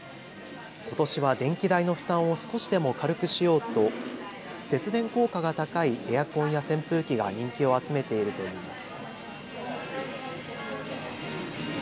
ことしは電気代の負担を少しでも軽くしようと節電効果が高いエアコンや扇風機が人気を集めているといいます。